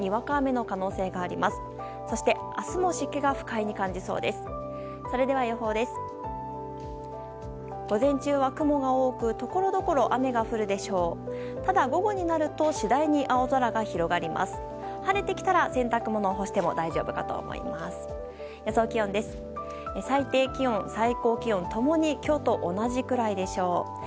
最低気温、最高気温共に今日と同じくらいでしょう。